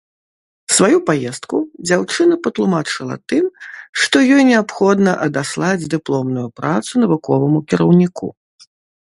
Сваю паездку дзяўчына патлумачыла тым, што ёй неабходна адаслаць дыпломную працу навуковаму кіраўніку.